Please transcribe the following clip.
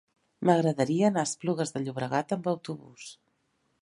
M'agradaria anar a Esplugues de Llobregat amb autobús.